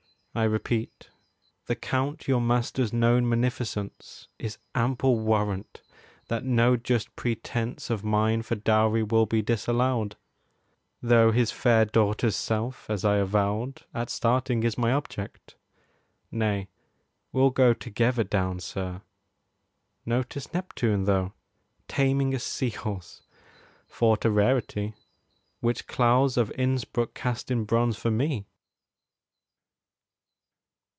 I repeat, The Count your master's known munificence Is ample warrant that no just pretence 50 Of mine for dowry will be disallowed; Though his fair daughter's self, as I avowed At starting, is my object. Nay, we'll go Together down, sir. Notice Neptune, though, Taming a sea horse, thought a rarity, Which Claus of Innsbruck cast in bronze for me!